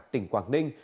tỉnh quảng ninh